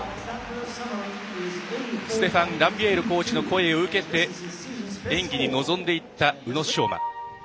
ステファン・ランビエールコーチの声を受けて演技に臨んでいった、宇野昌磨。